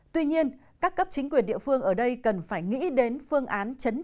tuy nhiên các cấp chính quyền địa phương ở đây cần phải nghĩ đến phương án truyền thống